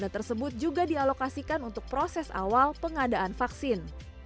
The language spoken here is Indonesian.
data tersebut juga dialokasikan untuk proses awal pengadaan vaksin